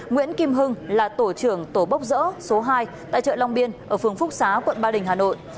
nguyễn kim hưng là tổ trưởng tổ bốc dỡ số hai tại chợ long biên ở phường phúc xá quận ba đình hà nội